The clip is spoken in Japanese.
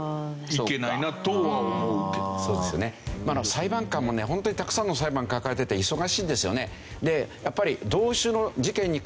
裁判官もホントにたくさんの裁判を抱えてて忙しいんですよね。